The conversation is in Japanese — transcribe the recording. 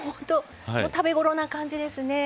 食べ頃な感じですね。